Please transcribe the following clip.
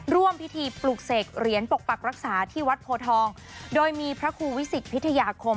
ร่วมพิธีปลุกเสกเหรียญปกปักรักษาที่วัดโพทองโดยมีพระครูวิสิตพิทยาคม